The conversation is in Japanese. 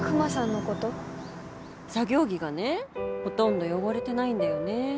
作業着がねほとんど汚れてないんだよね。